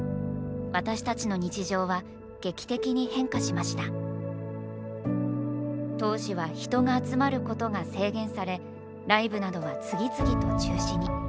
私たちの日常は劇的に変化しました当時は人が集まることが制限されライブなどは次々と中止に。